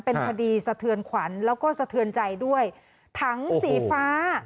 เป็นคดีสะเทือนขวัญแล้วก็สะเทือนใจด้วยถังสีฟ้า